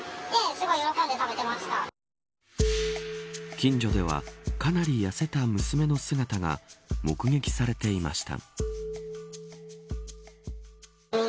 近所ではかなり痩せた娘の姿が目撃されていました。